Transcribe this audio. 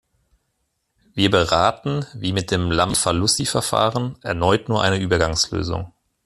Wir beraten, wie mit dem Lamfalussy-Verfahren, erneut nur eine Übergangslösung.